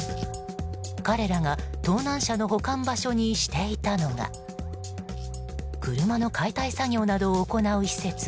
彼らが盗難車の保管場所にしていたのが車の解体作業などを行う施設